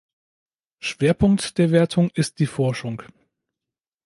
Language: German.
Schwerpunkt der Wertung ist die Forschung.